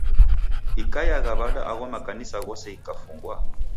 Ikaiagha w'ada agho makanisa ghose ghikafungwa?